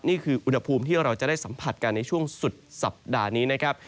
นี่คืออุณหภูมิที่เราจะได้สัมผัสกันในช่วงสุดสัปดาห์นี้นะครับ